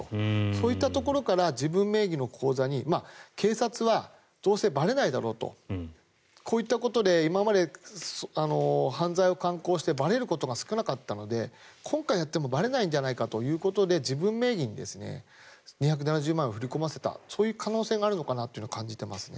そういったところから自分名義の口座に警察はどうせばれないだろうとこういったことで今まで犯罪を敢行してばれることが少なかったので今回やっても、ばれないんじゃないかということで自分名義に２７０万を振り込ませたそういう可能性があるのかなと感じていますね。